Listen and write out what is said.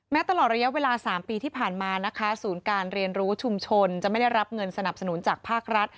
ตลอดระยะเวลา๓ปีที่ผ่านมานะคะศูนย์การเรียนรู้ชุมชนจะไม่ได้รับเงินสนับสนุนจากภาครัฐ